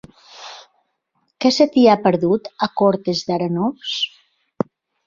Què se t'hi ha perdut, a Cortes d'Arenós?